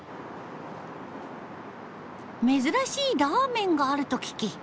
珍しいラーメンがあると聞き。